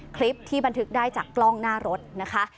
คลิปที่บันทึกได้จากกล้องหน้ารถนะคะ